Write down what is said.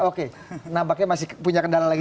oke nampaknya masih punya kendala lagi